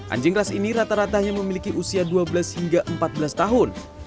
anjing ras ini rata ratanya memiliki usia dua belas hingga empat belas tahun